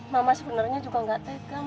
mama sebenarnya juga nggak tegang